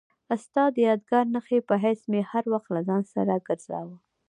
ستا د یادګار نښې په حیث مې هر وخت له ځان سره ګرځاوه.